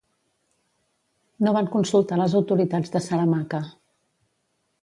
No van consultar les autoritats de Saramaka.